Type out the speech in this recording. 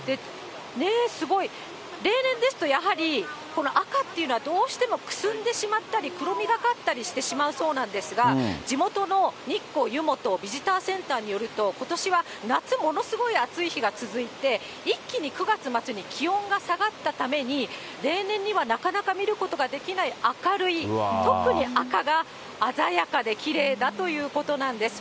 すごい、例年ですとやはりこの赤っていうのはどうしてもくすんでしまったり、黒みがかったりしてしまうそうなんですが、地元の日光湯元ビジターセンターによると、ことしは夏ものすごく暑い日が続いて、一気に９月末に気温が下がったために、例年にはなかなか見ることができない明るい、特に赤が鮮やかできれいだということなんです。